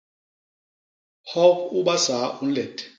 Hop u basaa u nlet.